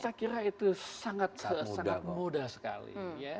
saya kira itu sangat mudah sekali